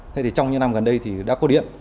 thế thì trong những năm gần đây thì đã có điện